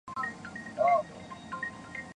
耆英号接下来驶往英国。